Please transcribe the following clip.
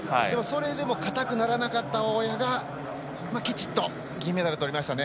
でも、硬くならなかった大矢がきちっと銀メダルとりましたね。